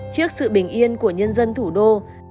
trước sự bình yên của nhân dân thủ đô